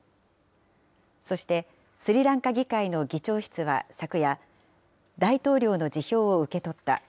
そしてスリランカ議会の議長室は昨夜、大統領の辞表を受け取った。